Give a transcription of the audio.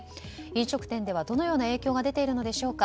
飲食店ではどのような影響が出ているのでしょうか。